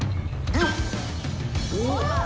よっ！